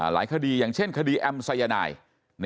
หลายคดีอย่างเช่นคดีแอมสายนาย